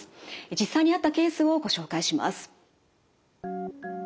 実際にあったケースをご紹介します。